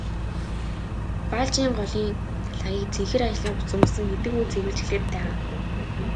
Балжийн голын лагийг цэнхэр ажлын хувцас өмссөн хэдэн хүн цэвэрлэж эхлээд байгаа.